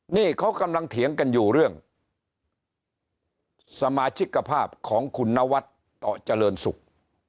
นี่เขากำลังเถียงกันอยู่เรื่องสมาชิกภาพของคุณนวัดต่อเจริญศุกร์